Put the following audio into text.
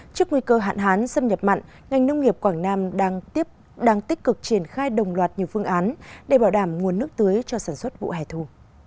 trước nguy cơ hạn hán xâm nhập mặn ngành nông nghiệp quảng nam đang tích cực triển khai đồng loạt nhiều phương án để bảo đảm nguồn nước tưới cho sản xuất vụ hẻ thù